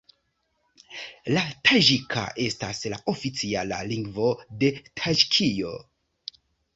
La taĝika estas la oficiala lingvo de Taĝikio.